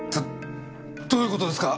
どどういうことですか！？